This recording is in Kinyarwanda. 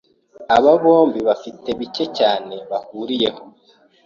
Aba bombi bafite bike cyane bahuriyeho.